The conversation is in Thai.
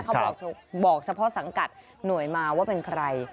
เขาบอกเฉพาะสังกัดหน่วยมาว่าเป็นใคร